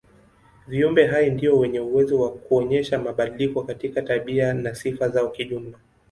Viumbe hai ndio wenye uwezo wa kuonyesha mabadiliko katika tabia na sifa zao kijumla.